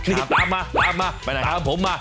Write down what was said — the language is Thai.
ตามมาตามมาไปไหน